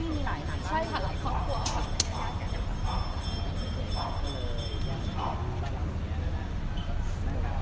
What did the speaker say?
ไม่ใช่นี่คือบ้านของคนที่เคยดื่มอยู่หรือเปล่า